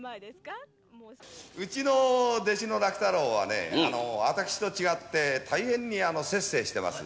うちの弟子の楽太郎はね、私と違って大変ね摂生してます。